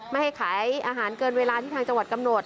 ไม่ให้ขายอาหารเกินเวลาที่ทางจังหวัดกำหนด